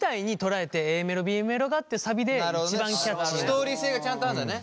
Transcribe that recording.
ストーリー性がちゃんとあるんだね。